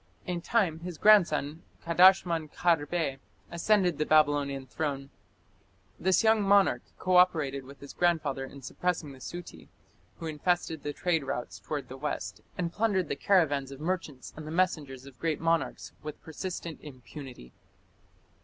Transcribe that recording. In time his grandson, Kadashman Kharbe, ascended the Babylonian throne. This young monarch co operated with his grandfather in suppressing the Suti, who infested the trade routes towards the west, and plundered the caravans of merchants and the messengers of great monarchs with persistent impunity.